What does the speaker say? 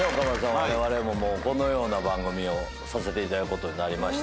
我々ももうこのような番組をさせていただく事になりまして。